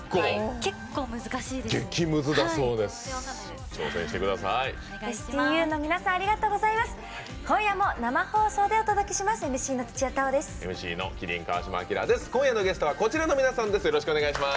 結構、難しいです。